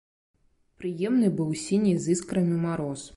Прыемны быў сіні з іскрамі мароз.